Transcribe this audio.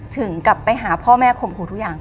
ถึงกลับไปหาพ่อแม่ข่มขู่ทุกอย่าง